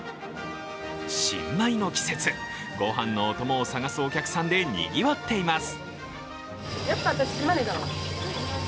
新米の季節、ご飯のお供を探すお客さんでにぎわっています。